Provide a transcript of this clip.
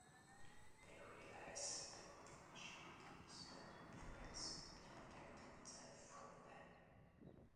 They realize that the Machine deems them threats and is protecting itself from them.